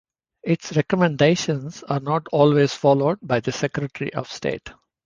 Its recommendations are not always followed by the Secretary of State.